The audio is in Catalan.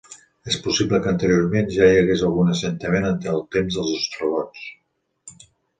És possible que anteriorment ja hi hagués algun assentament del temps dels ostrogots.